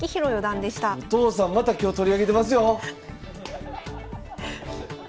お父さんまた今日取り上げてますよ！